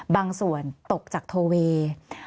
บางส่วนตกจากโทเวย์